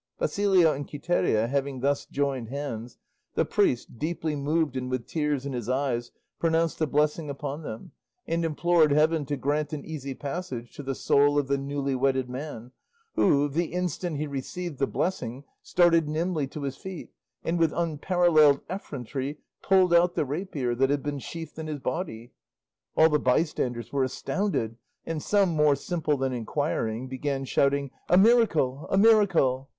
Basilio and Quiteria having thus joined hands, the priest, deeply moved and with tears in his eyes, pronounced the blessing upon them, and implored heaven to grant an easy passage to the soul of the newly wedded man, who, the instant he received the blessing, started nimbly to his feet and with unparalleled effrontery pulled out the rapier that had been sheathed in his body. All the bystanders were astounded, and some, more simple than inquiring, began shouting, "A miracle, a miracle!"